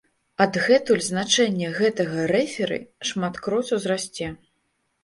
Адгэтуль значэнне гэтага рэферы шматкроць узрасце.